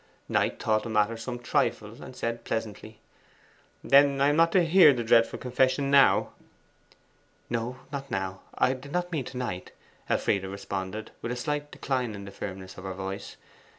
Knight thought the matter some trifle, and said pleasantly: 'Then I am not to hear the dreadful confession now?' 'No, not now. I did not mean to night,' Elfride responded, with a slight decline in the firmness of her voice.